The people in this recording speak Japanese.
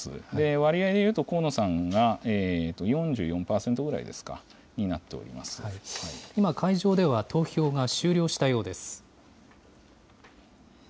割合でいうと、河野さんが４４％今、会場では投票が終了したようです。